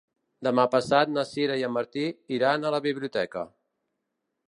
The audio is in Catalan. Demà passat na Sira i en Martí iran a la biblioteca.